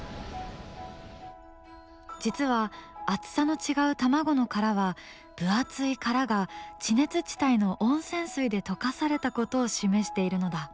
実は厚さの違う卵の殻は分厚い殻が地熱地帯の温泉水で溶かされたことを示しているのだ。